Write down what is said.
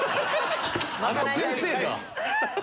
あの先生が。